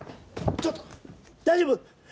ちょっと大丈夫？